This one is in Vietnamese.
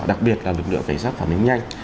đặc biệt là lực lượng vệ sát phản ánh nhanh